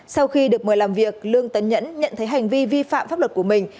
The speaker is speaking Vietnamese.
sau khi được mời làm việc lương tấn nhẫn nhận thấy hành vi vi phạm pháp luật của mình